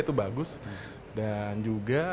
itu bagus dan juga